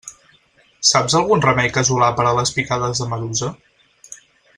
Saps algun remei casolà per a les picades de medusa?